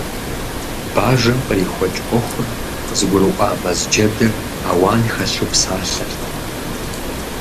Бажэм кърихуэкӀ Ӏуэхур къызыгурыӀуа Мэз джэдыр ауэн хэлъу псалъэрт.